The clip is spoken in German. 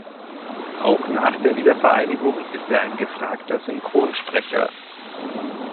Auch nach der Wiedervereinigung ist er ein gefragter Synchronsprecher.